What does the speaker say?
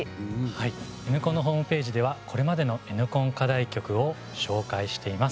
はい、「Ｎコン」のホームページではこれまでのＮコン課題曲を紹介しています。